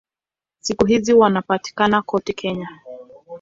Siku hizi wanapatikana kote Kenya.